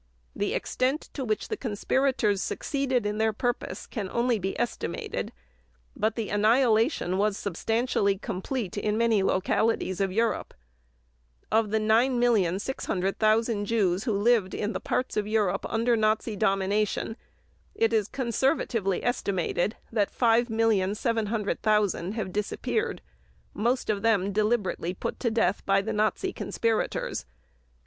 The extent to which the conspirators succeeded in their purpose can only be estimated, but the annihilation was substantially complete in many localities of Europe. Of the 9,600,000 Jews who lived in the parts of Europe under Nazi domination, it is conservatively estimated that 5,700,000 have disappeared, most of them deliberately put to death by the Nazi conspirators.